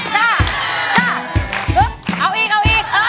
ช่าช่าช่า